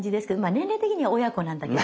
年齢的には親子なんだけど。